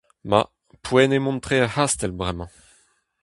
Ma, poent eo mont tre er c'hastell bremañ !